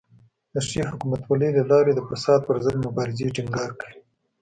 د ښې حکومتولۍ له لارې د فساد پر ضد مبارزې ټینګار کوي.